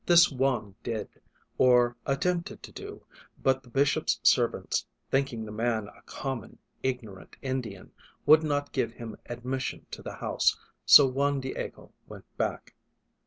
This Juan did, or attempted to do, but the bishop's servants, thinking the man a common, ignorant In dian, would not give him admission to the house, so Juan Diego went back.